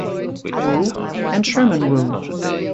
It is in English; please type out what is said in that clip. Wu and Sherman Wu.